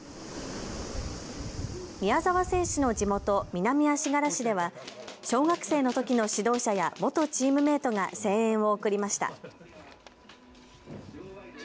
宮澤選手の地元、南足柄市では小学生のときの指導者や元チームメイトが声援を送りました。